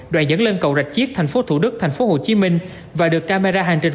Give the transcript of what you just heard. đoạn dẫn lên cầu rạch chiếc tp thủ đức tp hcm và được camera hành trình